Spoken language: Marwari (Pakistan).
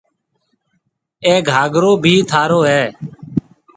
اَي گھاگرو بي ٿارو هيَ۔